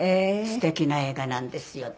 すてきな映画なんですよ。